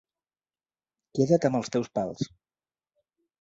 Queda't amb els teus pals.